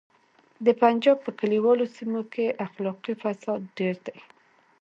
د پنجاب په کلیوالو سیمو کې اخلاقي فساد ډیر دی